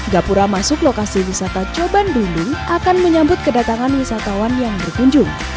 gapura masuk lokasi wisata cobandu akan menyambut kedatangan wisatawan yang berkunjung